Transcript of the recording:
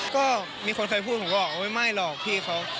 ก็มีคนใครพูดผมก็บอกว่าไม่หล่อพี่เจมส์